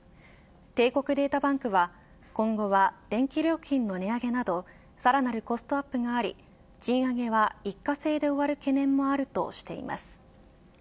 帝国データバンクは今後は電気料金の値上げなどさらなるコストアップがあり賃上げは一過性で終わる懸念もあるとしています。